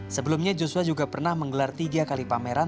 sebelumnya joshua juga pernah menggelar tiga kali pameran